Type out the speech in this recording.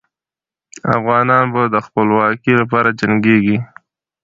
افغانان به د خپلواکۍ لپاره جنګېږي.